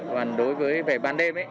còn đối với về ban đêm